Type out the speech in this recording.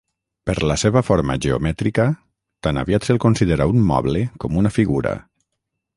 Per la seva forma geomètrica, tan aviat se'l considera un moble com una figura.